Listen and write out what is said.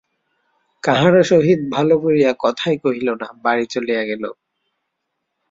কাহারো সহিত ভালো করিয়া কথাই কহিল না, বাড়ি চলিয়া গেল।